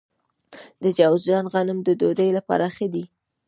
د جوزجان غنم د ډوډۍ لپاره ښه دي.